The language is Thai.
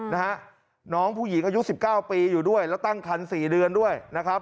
นะฮะน้องผู้หญิงอายุสิบเก้าปีอยู่ด้วยแล้วตั้งคันสี่เดือนด้วยนะครับ